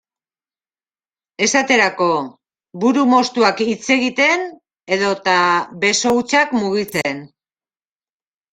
Esaterako: buru moztuak hitz egiten edota beso hutsak mugitzen.